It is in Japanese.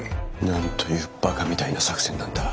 なんというバカみたいな作戦なんだ。